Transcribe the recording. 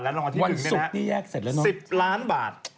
รางวัลที่สิบนี้ได้๑๐๐๐๐๐๐๐บาท